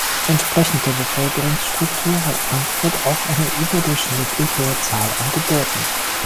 Entsprechend der Bevölkerungsstruktur hat Frankfurt auch eine überdurchschnittlich hohe Zahl an Geburten.